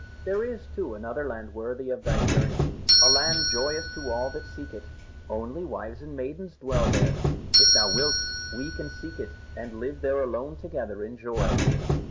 There is, too, another land worthy of thy journey, a land joyous to all that seek it. Only wives and maidens dwell there. If thou wilt, we can seek it and live there alone together in joy."